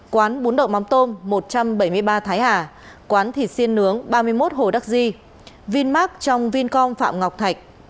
quán bốn độ mắm tôm một trăm bảy mươi ba thái hà quán thịt xiên nướng ba mươi một hồ đắc di vinmark trong vincom phạm ngọc thạch